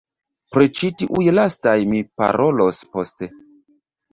Pri ĉi tiuj lastaj mi parolos poste.